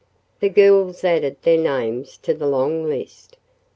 The girls added their names to the long list.